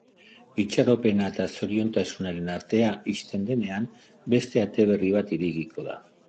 Itxaropena eta zoriontasunaren atea ixten denean, beste ate berri bat irekiko da.